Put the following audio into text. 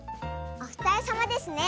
おふたりさまですね。